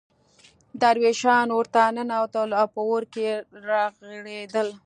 درویشان اورته ننوتل او په اور کې رغړېدل.